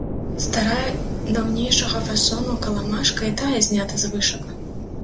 Старая, даўнейшага фасону, каламажка і тая знята з вышак.